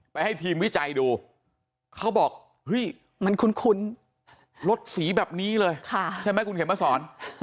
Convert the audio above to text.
ให้ทีมวิจัยดูเขาบอกเฮ้ยมันคุ้นรถสีแบบนี้เลยใช่ไหมคุณเข็มมาสอน